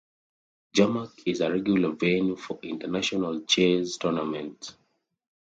Jermuk is a regular venue for international chess tournaments.